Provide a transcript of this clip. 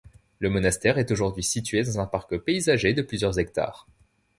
Le monastère est aujourd'hui situé dans un parc paysager de plusieurs hectares.